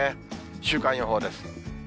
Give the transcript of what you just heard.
週間予報です。